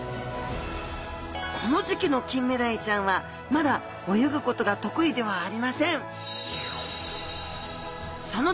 この時期のキンメダイちゃんはまだ泳ぐことが得意ではありません。